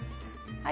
はい。